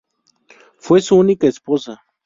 Fue su única esposa.